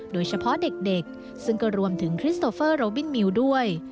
โดยเฉพาะเด็กซึ่งก็รวมถึงคริสโตเฟอร์โรบินมิวด้วย